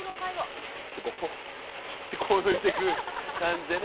スッてこうスッてこう抜いていく感じでね。